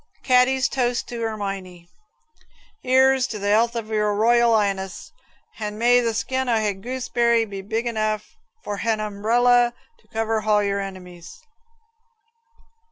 Caddy's Toast in "Erminie" 'Ere's to the 'ealth o' your Royal 'Ighness; hand may the skin o' ha gooseberry be big enough for han humbrella to cover hall your enemies."